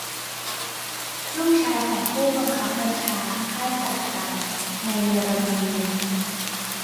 ลูกชายของผู้บังคับบัญชาค่ายกักกันในเยอรมนี